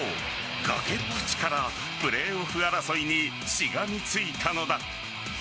崖っぷちからプレーオフ争いにしがみついたのだ。